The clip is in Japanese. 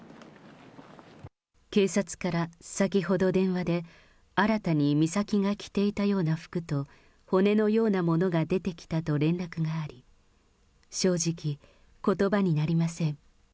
警察から先ほど電話で、新たに美咲が着ていたような服と、骨のようなものが出てきたと連絡があり、正直、ことばになりません。